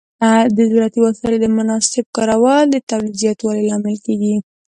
د زراعتي وسایلو مناسب کارول د تولید زیاتوالي لامل کېږي.